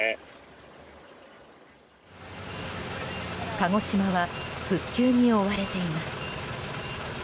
鹿児島は復旧に追われています。